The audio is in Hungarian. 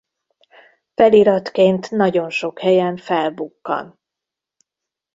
Feliratként nagyon sok helyen felbukkan.